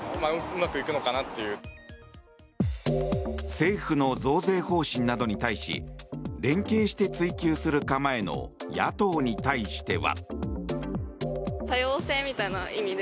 政府の増税方針などに対し連携して追及する構えの野党に対しては。